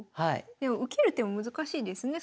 でも受ける手も難しいですね